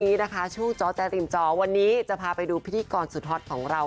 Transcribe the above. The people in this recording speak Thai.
วันนี้นะคะช่วงจอแจริมจอวันนี้จะพาไปดูพิธีกรสุดฮอตของเรา